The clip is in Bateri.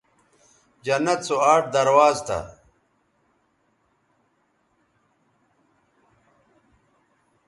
جنت سو آٹھ درواز تھا